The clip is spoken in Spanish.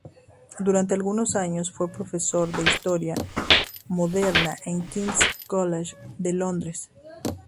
Durante algunos años fue profesor de historia moderna en el King's College de Londres.